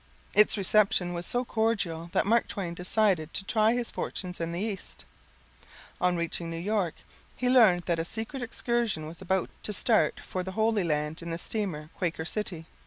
Its reception was so cordial that Mark Twain decided to try his fortunes in the East. On reaching New York he learned that a secret excursion was about to start for the Holy Land in the steamer Quaker City.